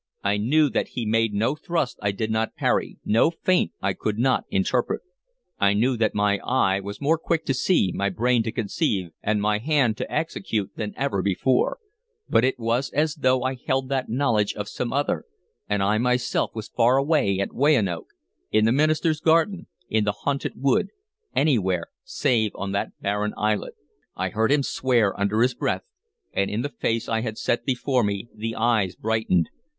I knew that he made no thrust I did not parry, no feint I could not interpret. I knew that my eye was more quick to see, my brain to conceive, and my hand to execute than ever before; but it was as though I held that knowledge of some other, and I myself was far away, at Weyanoke, in the minister's garden, in the haunted wood, anywhere save on that barren islet. I heard him swear under his breath, and in the face I had set before me the eyes brightened.